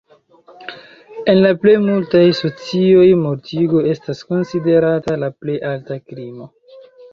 En la plejmultaj socioj mortigo estas konsiderata la plej alta krimo.